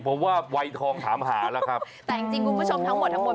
เพราะว่าวัยทองถามหาแล้วครับแต่จริงจริงคุณผู้ชมทั้งหมดทั้งหมด